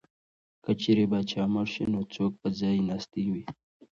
که چېرې پاچا مړ شي نو څوک به ځای ناستی وي؟